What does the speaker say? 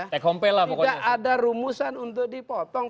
tidak ada rumusan untuk dipotong